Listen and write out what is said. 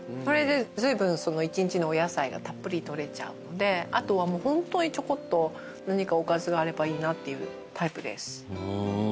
それでずいぶん一日のお野菜がたっぷり取れちゃうのであとはもうホントにちょこっと何かおかずがあればいいなっていうタイプです。